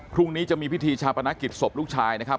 พรุ่งนี้จะมีพิธีชาปนกิจศพลูกชายนะครับ